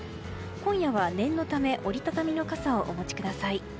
今夜は念のため折り畳みの傘をお持ちください。